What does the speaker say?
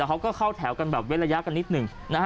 แต่เขาก็เข้าแถวกันแบบเวลาย้ากันนิดนึง